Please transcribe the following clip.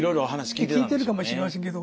聞いてるかもしれませんけど。